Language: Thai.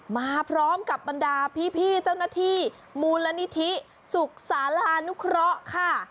มาพร้อมกับบรรดาพี่เจ้าหน้าที่มูลนิธิสุขศาลานุเคราะห์ค่ะ